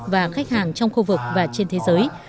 và khách hàng trong khu vực và trên thế giới